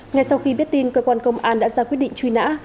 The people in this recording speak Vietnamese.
ngay sau khi biết tin cơ quan công an đã ra quyết định truy nã